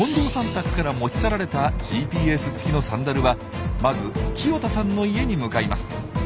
宅から持ち去られたＧＰＳ付きのサンダルはまず清田さんの家に向かいます。